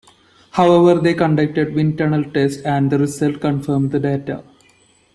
However they conducted wind-tunnel tests and the results confirmed the data.